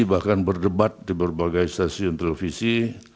bahkan berdebat di berbagai stasiun televisi